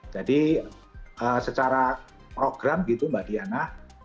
jadi secara program mbak diana